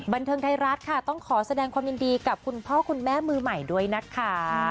บันเทิงไทยรัฐค่ะต้องขอแสดงความยินดีกับคุณพ่อคุณแม่มือใหม่ด้วยนะคะ